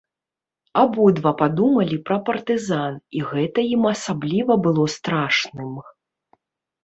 Абодва падумалі пра партызан, і гэта ім асабліва было страшным.